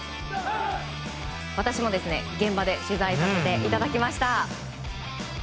私も現場で取材させていただきました。